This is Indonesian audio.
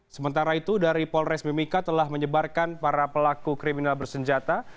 sementara itu dari polres mimika telah menyebarkan para pelaku kriminal bersenjata